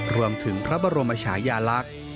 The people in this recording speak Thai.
รวมถึงพระบรมชายาลักษณ์